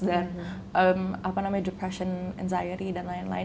dan apa namanya depression anxiety dan lain lain